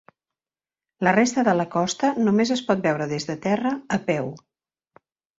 La resta de la costa només es pot veure des de terra a peu.